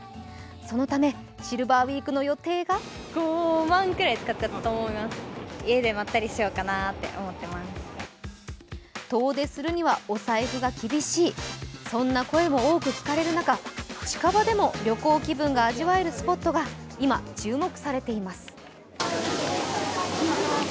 そのため、シルバーウイークの予定が遠出するにはお財布が厳しい、そんな声も多く聞かれる中近場でも旅行気分が味わえるスポットが今、注目されています。